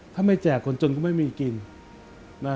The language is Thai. ถ้าไม่แจกคนจนก็ไม่มีกินนะ